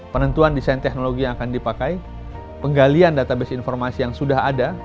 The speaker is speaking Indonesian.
penentuan desain teknologi yang akan dipakai penggalian database informasi yang sudah ada